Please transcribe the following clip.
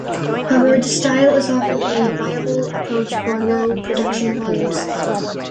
However this style is often a viable approach for low production volumes.